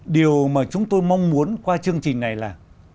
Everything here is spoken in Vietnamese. điều mà chúng tôi mong muốn qua chương trình này là